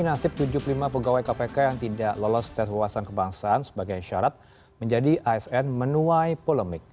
nasib tujuh puluh lima pegawai kpk yang tidak lolos tes wawasan kebangsaan sebagai syarat menjadi asn menuai polemik